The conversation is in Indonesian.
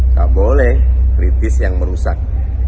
tak boleh kritis yang merusak